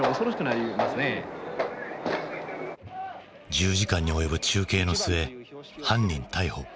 １０時間に及ぶ中継の末犯人逮捕。